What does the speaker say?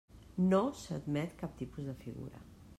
NO s'admet cap tipus de figura.